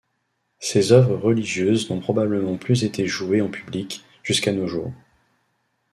Ses œuvres religieuses n'ont probablement plus été jouées en public, jusqu'à nos jours.